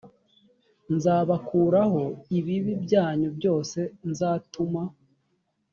nzabakuraho ibibi byanyu byose nzatuma